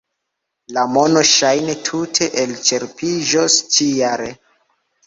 La mono ŝajne tute elĉerpiĝos ĉi-jare.